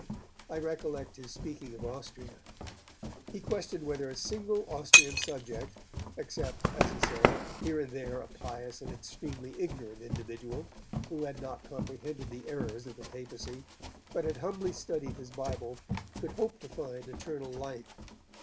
I recollect his speaking of Austria. He questioned whether a single Austrian subject, except, as he said, here and there a pious and extremely ignorant individual, who had not comprehended the errors of the Papacy, but had humbly studied his Bible, could hope to find eternal life.